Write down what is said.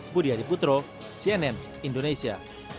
budi hadi putro cnn indonesia